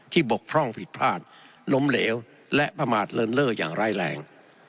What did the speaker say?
บกพร่องผิดพลาดล้มเหลวและประมาทเลินเล่ออย่างร้ายแรง